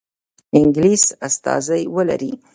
انګلیس استازی ولري.